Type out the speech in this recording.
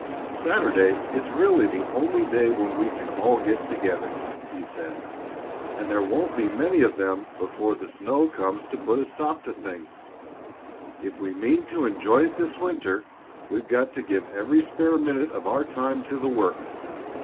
"Saturday is really the only day when we can all get together," he said, "and there won't be many of them before the snow comes to put a stop to things. If we mean to enjoy it this winter, we've got to give every spare minute of our time to the work.